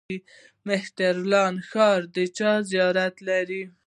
مهترلام ښار د چا زیارت لري؟